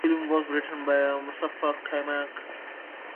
The film was written by Mustafa Kaymak.